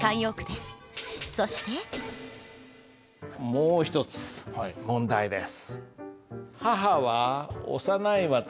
もう一つ問題です。